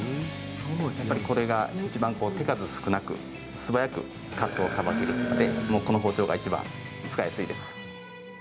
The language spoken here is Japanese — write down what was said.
やっぱりこれがいちばん手数少なく、素早くかつおをさばけるのでこの包丁がいちばん使いやすいです。